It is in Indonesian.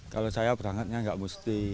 kalau saya berangkatnya nggak mesti